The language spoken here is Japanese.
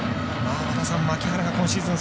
牧原が今シーズン